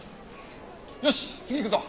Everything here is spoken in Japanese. よし次行くぞ。